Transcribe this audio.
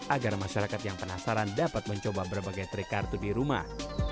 agar masyarakat yang penasaran dapat mencoba berbagai trik kartu di rumah